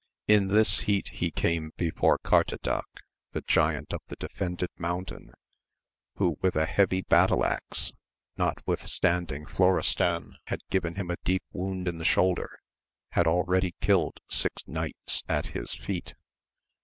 In this heat he came before Cartadaque, the giant of the Defended Mountain, who with a heavy battle axe, notwithstanding Florestan had given him a deep wound in the shoulder, had already kiUed six knights at his feet.